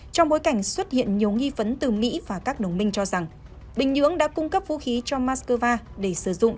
trong bối cảnh xuất hiện nhiều nghi vấn từ mỹ và các đồng minh cho rằng bình nhưỡng đã cung cấp vũ khí cho moscow để sử dụng